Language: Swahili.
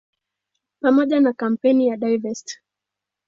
Pamoja na kampeni ya "Divest!